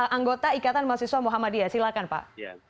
anggota ikatan mahasiswa muhammadiyah silakan pak